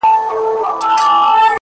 • زر یې پټ تر وني لاندي کړل روان سول ,